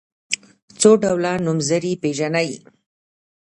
څو ډوله نومځري پيژنئ.